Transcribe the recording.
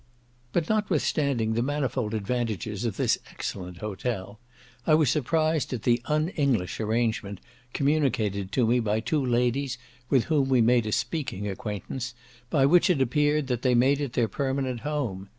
But notwithstanding the manifold advantages of this excellent hotel, I was surprised at the un English arrangement communicated to me by two ladies with whom we made a speaking acquaintance, by which it appeared that they made it their permanent home.